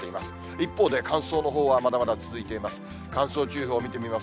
一方で、乾燥のほうはまだまだ続いています。